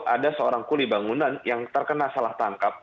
ada seorang kuli bangunan yang terkena salah tangkap